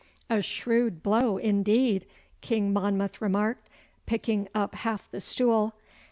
'A shrewd blow indeed,' King Monmouth remarked, picking up half the stool.